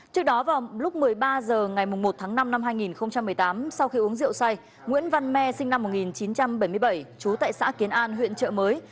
trước đó vào lúc một mươi ba h ngày một tháng năm năm hai nghìn một mươi tám sau khi uống rượu say nguyễn văn me sinh năm một nghìn chín trăm bảy mươi bảy trú tại xã kiến an huyện trợ mới